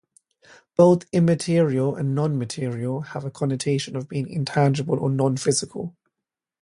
Both "immaterial" and "non-material" have a connotation of being intangible or non-physical.